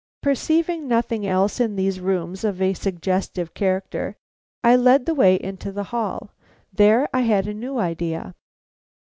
Perceiving nothing else in these rooms of a suggestive character, I led the way into the hall. There I had a new idea.